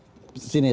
sini salah satunya